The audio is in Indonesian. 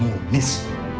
saya bukan komunis